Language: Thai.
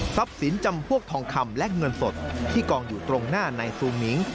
สินจำพวกทองคำและเงินสดที่กองอยู่ตรงหน้านายซูมิง